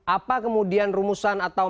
apa kemudian rumusan atau